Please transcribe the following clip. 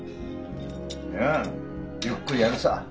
いやゆっくりやるさ。